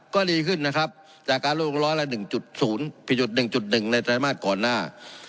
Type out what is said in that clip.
ก็ดีขึ้นนะครับจากการลดลงร้อยละ๑๐ผิดจุด๑๑ในไตรมาสก่อนหน้า